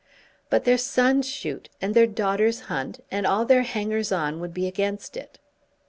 "But their sons shoot, and their daughters hunt, and all their hangers on would be against it."